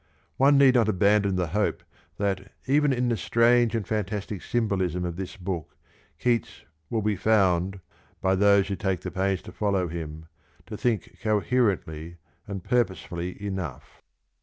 One need not abandon the hope that even in the strange and fantastic symbolism of this book Keats " will be found, by those who take the pains to follow him, to think coherently and purposefully enough."